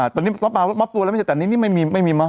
ตอนนี้มอบตัวแล้วไม่ใช่ตอนนี้ไม่มีเห็นมอบตัว